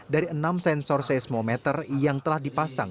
dari enam sensor seismometer yang telah dipasang